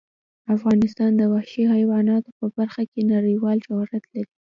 افغانستان د وحشي حیواناتو په برخه کې نړیوال شهرت لري.